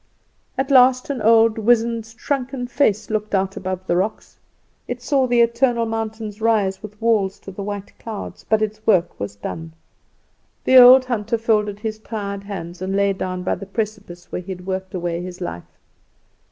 "At last, an old, wizened, shrunken face looked out above the rocks. It saw the eternal mountains rise with walls to the white clouds; but its work was done. "The old hunter folded his tired hands and lay down by the precipice where he had worked away his life.